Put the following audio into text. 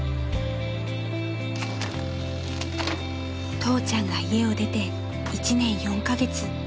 ［父ちゃんが家を出て１年４カ月］